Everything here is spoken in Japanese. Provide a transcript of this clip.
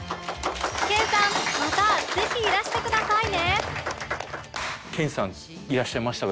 研さんまたぜひいらしてくださいね